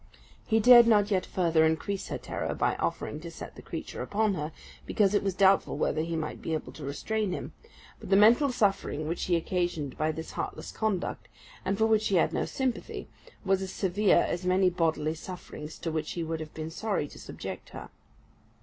He dared not yet further increase her terror by offering to set the creature upon her, because it was doubtful whether he might be able to restrain him; but the mental suffering which he occasioned by this heartless conduct, and for which he had no sympathy, was as severe as many bodily sufferings to which he would have been sorry to subject her.